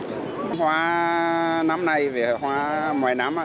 chợ hoa năm nay về hoa ngoài năm ạ